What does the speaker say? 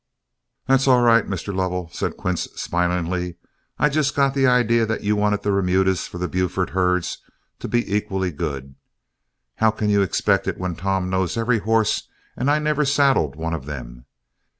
"That's all right, Mr. Lovell," said Quince, smilingly. "I just got the idea that you wanted the remudas for the Buford herds to be equally good. How can you expect it when Tom knows every horse and I never saddled one of them.